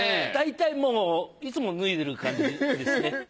大体もういつも脱いでる感じですね。